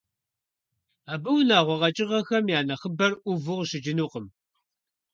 Абы унагъуэ къэкӀыгъэхэм я нэхъыбэр Ӏуву къыщыкӀынукъым.